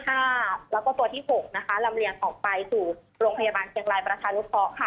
แล้วก็ตัวที่๖นะคะลำเลียงออกไปสู่โรงพยาบาลเชียงรายประชานุเคราะห์ค่ะ